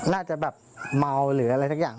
น่าจะแบบเมาหรืออะไรสักอย่าง